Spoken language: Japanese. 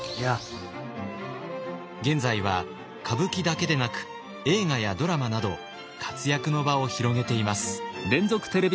現在は歌舞伎だけでなく映画やドラマなど活躍の場を広げています。